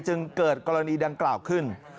จึงเกิดกรณีดังกล่าวขึ้น